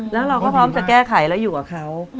แล้วเราก็พร้อมจะแก้ไขแล้วอยู่กับเขา